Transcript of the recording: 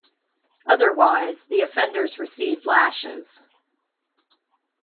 Otherwise, the offenders receive lashes.